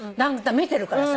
見てるからさ。